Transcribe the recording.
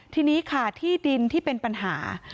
ทีนี้ค่ะที่ดินที่เป็นปัญหา